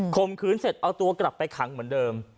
มขืนเสร็จเอาตัวกลับไปขังเหมือนเดิม